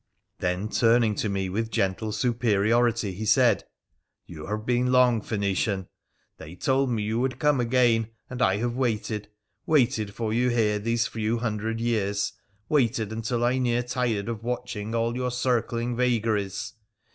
Then, turning to me with gentle superiority, he said :' You have been long, Phoenician ! They told me you would come again, and I have waited — waited for you here these few hundred years — waited until I near tired of watching all your circling vagaries.